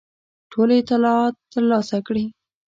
ټول اطلاعات ترلاسه کړي.